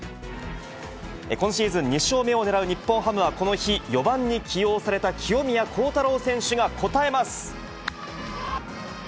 今シーズン２勝目をねらう日本ハムはこの日、４番に起用された清宮幸太郎選手が応えます。